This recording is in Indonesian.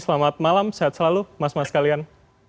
selamat malam sehat selalu maaf maaf sekalian